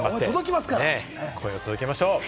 声を届けましょう！